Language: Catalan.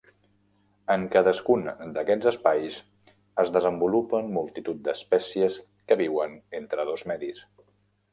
En cadascun d'aquests espais es desenvolupen multitud d'espècies que viuen entre dos medis.